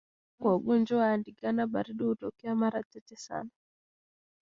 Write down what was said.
Vifo kwa ugonjwa wa ndigana baridi hutokea mara chache sana